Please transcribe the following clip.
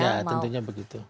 ya tentunya begitu